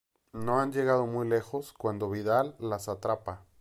No han llegado muy lejos cuando Vidal las atrapa.